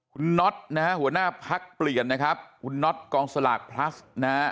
คุณน็อตนะฮะหัวหน้าพักเปลี่ยนนะครับคุณน็อตกองสลากพลัสนะฮะ